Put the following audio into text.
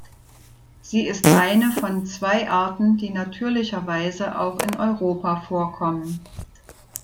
Sie ist eine von zwei Arten, die natürlicherweise auch in Europa vorkommen.